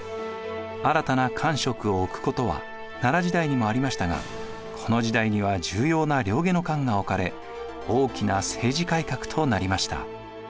新たな官職を置くことは奈良時代にもありましたがこの時代には重要な令外官が置かれ大きな政治改革となりました。